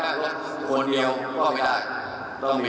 ต่อให้นั่งรถคนเดียวก็ไม่ได้ต้องมีเพื่อนนั่งรถหลอกรถนั่งรถมันก็ใช้ลงได้